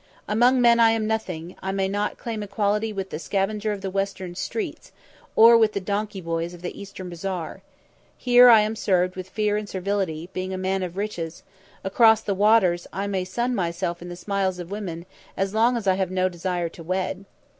"Among men I am nothing; I may not claim equality with the scavenger of the Western streets; or with the donkey boys of the Eastern bazaar. Here I am served with fear and servility, being a man of riches; across the waters, I may sun myself in the smiles of women as long as I have no desire to wed."